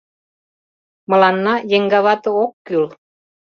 — Мыланна еҥгавате ок кӱл.